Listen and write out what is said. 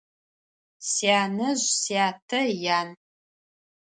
Сянэжъ сятэ ян.